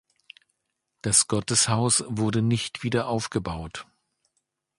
Das Gotteshaus wurde nicht wieder aufgebaut.